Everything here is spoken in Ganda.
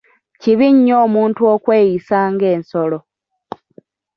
Kibi nnyo omuntu okweyisa nga ensolo!